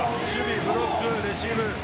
ブロック、レシーブ。